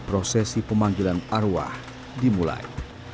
prosesi pemanggilan arwah dimulai